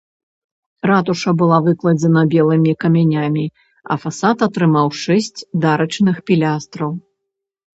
Ратуша была выкладзена белымі камянямі, а фасад атрымаў шэсць дарычных пілястраў.